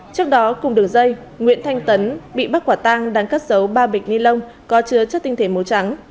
trước đó cùng đường dây nguyễn thanh tấn bị bắt quả tăng đáng cắt xấu ba bịch ni lông có chứa chất tinh thể màu trắng